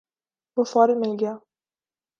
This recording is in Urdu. وہ فورا مل گیا۔